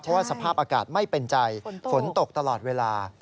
เพราะว่าสภาพอากาศไม่เป็นใจฝนตกตลอดเวลา